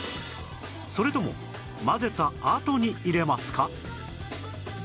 それとも混ぜたあとに入れますか？